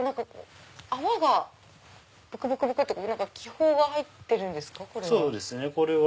泡がブクブクって気泡が入ってるんですかこれは。